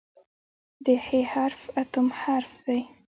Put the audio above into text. د "ح" حرف اتم حرف دی.